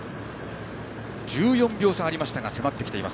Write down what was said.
１４秒差ありましたが迫ってきています。